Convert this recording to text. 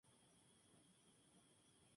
La sede del condado es Belleville.